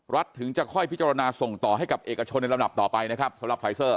ถึงจะค่อยพิจารณาส่งต่อให้กับเอกชนในลำดับต่อไปนะครับสำหรับไฟเซอร์